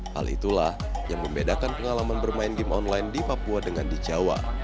hal itulah yang membedakan pengalaman bermain game online di papua dengan di jawa